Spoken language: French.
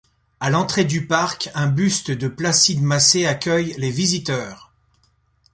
A l'entrée du parc, un buste de Placide Massey accueille les visiteurs.